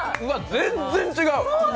全然違う！